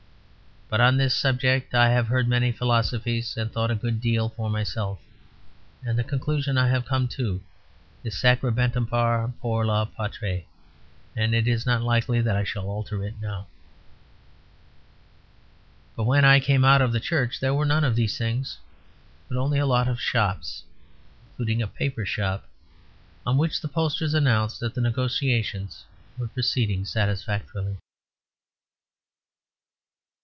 But on this subject I have heard many philosophies and thought a good deal for myself; and the conclusion I have come to is Sacrarterumbrrar pour la Pattie, and it is not likely that I shall alter it now. But when I came out of the church there were none of these things, but only a lot of Shops, including a paper shop, on which the posters announced that the negotiations were proceeding satisfactorily.